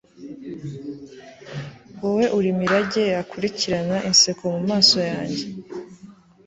wowe uri mirage yakurikirana inseko mumaso yanjye